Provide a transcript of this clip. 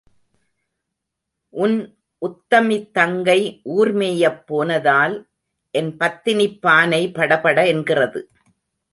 உன் உத்தமித் தங்கை ஊர் மேயப் போனதால் என் பத்தினிப் பானை படபட என்கிறது.